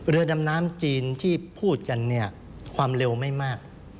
เรือดำน้ำจีนที่พูดกันเนี่ยความเร็วไม่มาก